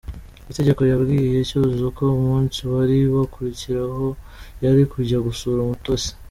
Igitego yabwiye Cyuzuzo ko umunsi wari gukurikiraho yari kujya gusura Umutesi.